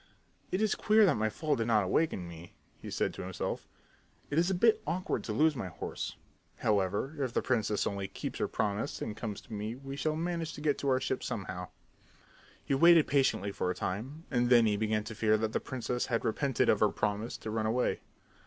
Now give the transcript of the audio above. "It is queer that my fall did not awaken me," he said to himself. "It is a bit awkward to lose my horse. However, if the princess only keeps her promise and comes to me we shall manage to get to our ship somehow." He waited very patiently for a time and then he began to fear that the princess had repented of her promise to run away.